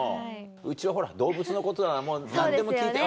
うちはほら動物のことならもう何でも聞いて。